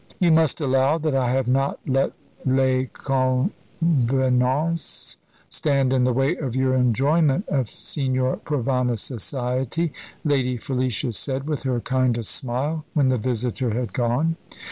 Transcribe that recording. "You must allow that I have not let les convenances stand in the way of your enjoyment of Signor Provana's society," Lady Felicia said, with her kindest smile, when the visitor had gone.